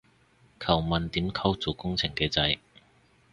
求問點溝做工程嘅仔